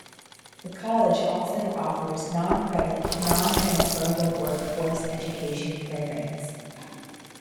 The college also offers noncredit, non-transferrable workforce education programs.